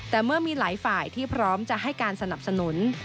แต่เมื่อมีหลายฝ่ายที่พร้อมจะให้การสนับสนุน